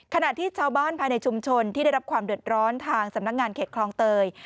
ขณะที่ชาวบ้านภายในชุมชนที่ได้รับความเดือดร้อนทางสำนักงานเขตคลองเตย